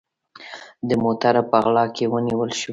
د موټروپه غلا کې ونیول سو